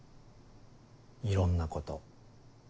いろんなこと。